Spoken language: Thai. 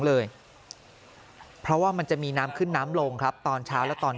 เลยเพราะว่ามันจะมีน้ำขึ้นน้ำลงครับตอนเช้าและตอน